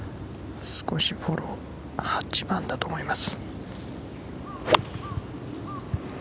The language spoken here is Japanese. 少し、フォロー８番だと思います。